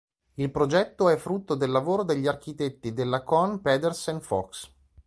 Il progetto è frutto del lavoro degli architetti della Kohn Pedersen Fox.